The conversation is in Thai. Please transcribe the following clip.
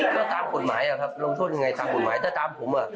ก็ตามกฎหมายครับลงโทษยังไงตามกฎหมายถ้าตามผมอ่ะ